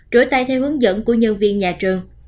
rửa tay theo hướng dẫn của nhân viên nhà trường